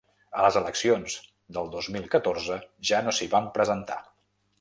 A les eleccions del dos mil catorze ja no s’hi van presentar.